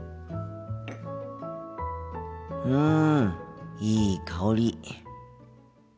うんいい香り。